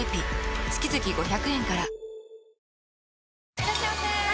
いらっしゃいませ！